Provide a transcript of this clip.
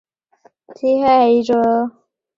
他们主要是从古希腊作家希罗多德的着作闻名。